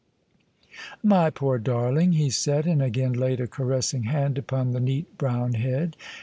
" My poor darling! " he said: and again laid a caressing hand upon the neat brown head.